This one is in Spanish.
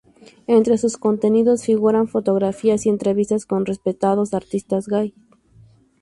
Entre sus contenidos figuran fotografías y entrevistas con reputados artistas gais.